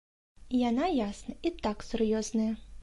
Яна, ясна, і так сур'ёзная.